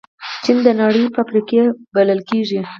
چین د نړۍ فابریکې بلل کېږي.